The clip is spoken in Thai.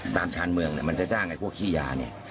ตามชาญเมืองเนี่ยมันจะจ้างไอ้พวกขี้ยาเนี่ย